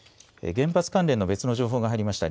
原発関連の別の情報が入りました。